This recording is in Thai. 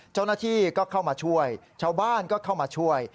เจ้าหน้าที่ก็เข้ามาช่วยชาวบ้านก็เข้ามาช่วย